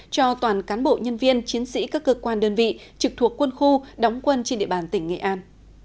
cho toàn cán bộ nhân viên chiến sĩ các cơ quan đơn vị trực thuộc quân khu đóng quân trên địa bàn tỉnh nghệ an